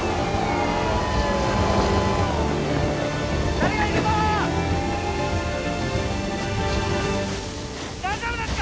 誰かいるぞ大丈夫ですか？